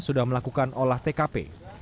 sudah melakukan olah tkp